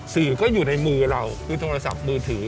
สื่อก็อยู่ในมือเราคือโทรศัพท์มือถือ